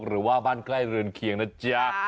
หรือว่าบ้านใกล้เรือนเคียงนะจ๊ะ